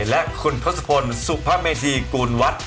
และคุณพฤษพลสุภาเมธีกูลวัฒน์